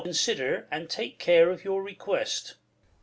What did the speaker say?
203 Consider and take care of your request.